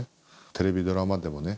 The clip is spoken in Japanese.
テレビドラマでもね